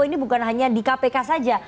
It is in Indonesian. ini bukan hanya di kpk saja